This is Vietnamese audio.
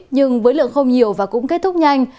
nhưng với lượng không nhiều và cũng kết thúc nhanh